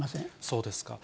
そうですか。